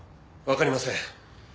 わかりません。